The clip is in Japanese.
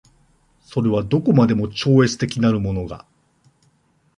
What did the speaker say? それはどこまでも超越的なるものが